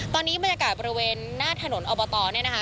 ตอนนี้บรรยากาศบริเวณหน้าถนนอะบอตอค่ะ